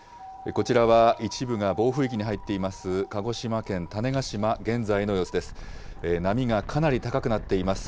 こちらは、一部が暴風域に入っています、鹿児島県種子島、現在の様子です。